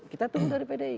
kita tunggu dari pdi